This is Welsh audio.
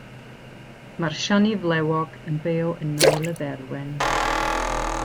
Mae'r siani flewog yn byw yn nail y dderwen.